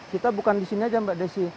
kita bukan disini aja mbak desi